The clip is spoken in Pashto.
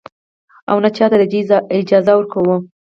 او نـه چـاتـه د دې اجـازه ورکـو.